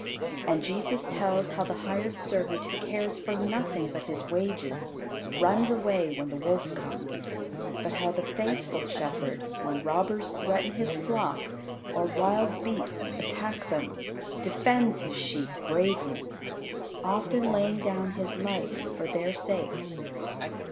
And Jesus tells how the hired servant who cares for nothing but his wages, runs away when the wolf comes; but how the faithful shepherd, when robbers threaten his flock, or wild beasts attack them, defends his sheep bravely, often laying down his life for their sake.